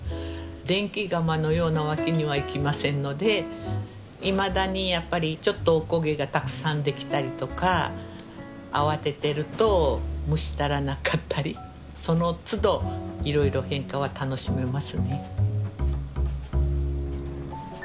電気釜のようなわけにはいきませんのでいまだにやっぱりちょっとおこげがたくさんできたりとか慌ててると蒸し足らなかったりそのつどいろいろ変化は楽しめますね。